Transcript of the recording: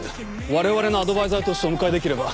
我々のアドバイザーとしてお迎えできれば。